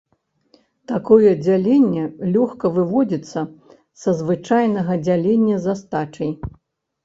Такое дзяленне лёгка выводзіцца са звычайнага дзялення з астачай.